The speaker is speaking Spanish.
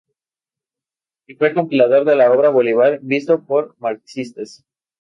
Y fue compilador de la obra "Bolívar visto por marxistas".